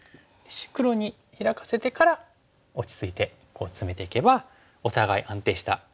黒にヒラかせてから落ち着いてこうツメていけばお互い安定した進行になりますからね。